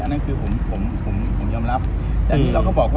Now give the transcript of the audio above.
อันนั้นคือผมยอมรับ